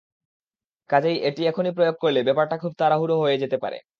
কাজেই এটি এখনই প্রয়োগ করলে ব্যাপারটা খুব তাড়াহুড়ো হয়ে যেতে পারে।